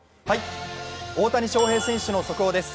大谷翔平選手の速報です。